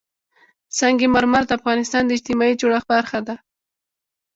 سنگ مرمر د افغانستان د اجتماعي جوړښت برخه ده.